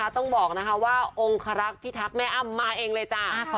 ต้องบอกว่าองคารักษ์พิทักษ์แม่อ้ำมาเองเลยจ้า